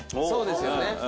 そうですよね。